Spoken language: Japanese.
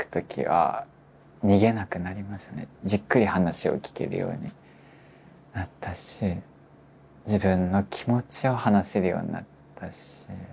じっくり話を聞けるようになったし自分の気持ちを話せるようになったし。